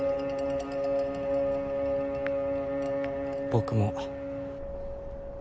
僕も。